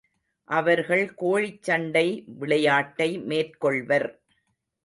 அவர்கள் கோழிச் சண்டை விளையாட்டை மேற்கொள்வர்.